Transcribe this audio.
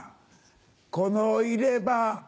この入れ歯